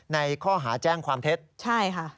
ในข้อหาแจ้งความเท็จใช่ค่ะ